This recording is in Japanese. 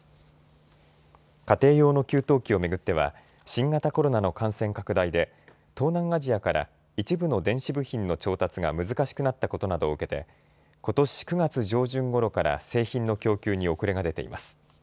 家庭用の給湯器を巡っては新型コロナの感染拡大で東南アジアから一部の電子部品の調達が難しくなったことなどを受けてことし９月上旬ごろから製品の供給に遅れが出ています。